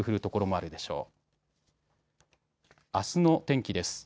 あすの天気です。